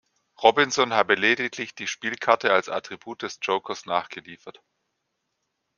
Robinson habe lediglich die Spielkarte als Attribut des Jokers nachgeliefert.